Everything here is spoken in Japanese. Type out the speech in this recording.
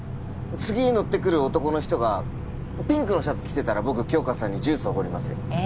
次乗ってくる男の人がピンクのシャツ着てたら僕杏花さんにジュースおごりますよえ